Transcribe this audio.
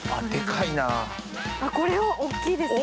これも大っきいですね。